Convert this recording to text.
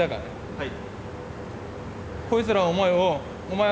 はい。